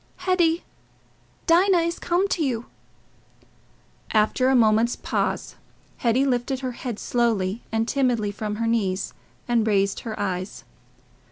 "Hetty... Dinah is come to you." After a moment's pause, Hetty lifted her head slowly and timidly from her knees and raised her eyes.